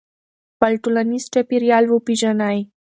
خپل ټولنیز چاپېریال وپېژنئ.